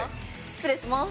失礼します